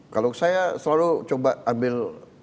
kalau saya selalu coba ambil